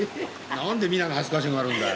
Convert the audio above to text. なんで美奈が恥ずかしがるんだよ。